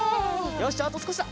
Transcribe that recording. よしじゃああとすこしだ。